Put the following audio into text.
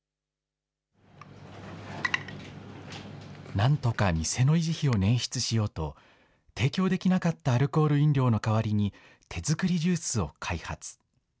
なんとか店の維持費を捻出しようと、提供できなかったアルコール飲料の代わりに、手作りジュースを開発。